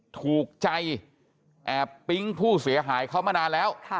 ถูกใจแอบปิ๊งผู้เสียหายเขามานานแล้ว